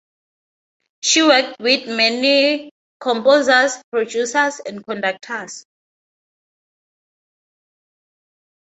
She worked with many composers, producers and conductors.